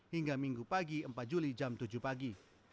hingga minggu pagi empat juli jam tujuh pagi